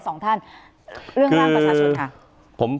เรื่องร่างประชาชนค่ะ